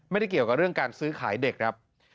เกี่ยวกับเรื่องการซื้อขายเด็กครับ